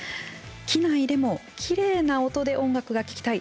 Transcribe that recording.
機内でもきれいな音で音楽が聴きたい。